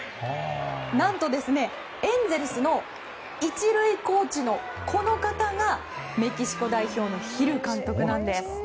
何とエンゼルスの１塁コーチのこの方がメキシコ代表のヒル監督なんです。